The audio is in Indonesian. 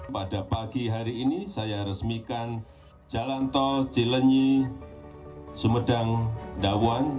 pada pagi hari ini saya resmikan jalan tol cilenyi sumedang dawan